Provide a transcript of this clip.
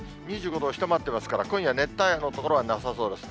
２５度を下回ってますから、今夜、熱帯夜の所はなさそうです。